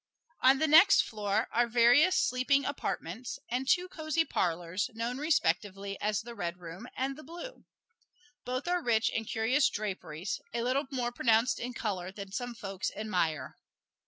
On the next floor are various sleeping apartments, and two cozy parlors, known respectively as the red room and the blue. Both are rich in curious draperies, a little more pronounced in color than some folks admire.